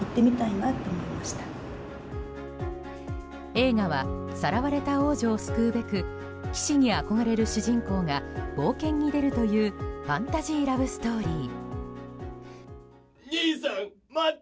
映画はさらわれた王女を救うべく騎士に憧れる主人公が冒険に出るというファンタジーラブストーリー。